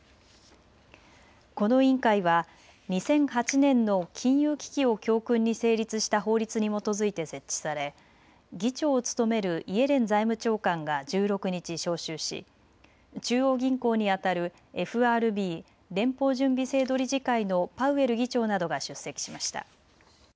この委員会は２００８年の金融危機を教訓に成立した法律に基づいて設置され議長を務めるイエレン財務長官が１６日、招集し中央銀行にあたるＦＲＢ・連邦準備制度理事会のパウエル議長などが出席しました。